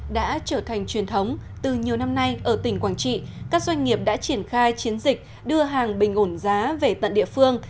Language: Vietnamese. đã trở thành truyền thống từ nhiều năm nay ở tỉnh quảng trị các doanh nghiệp đã triển khai chiến dịch đưa hàng bình ổn giá về tận địa phương